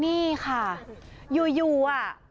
นี่ค่ะอยู่อ่ะ